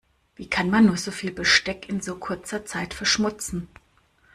Wie kann man nur so viel Besteck in so kurzer Zeit verschmutzen?